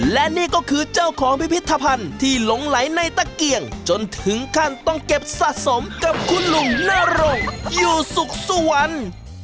และนี่ก็คือเจ้าของพิพิธภัณฑ์ที่หลงไหลในตะเกียงจนถึงขั้นต้องเก็บสะสมกับคุณลุงนรงอยู่สุขสวรรค์